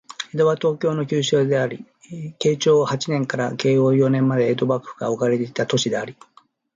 江戸は、東京の旧称であり、慶長八年から慶応四年まで江戸幕府が置かれていた都市である